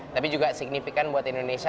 tapi juga signifikan buat indonesia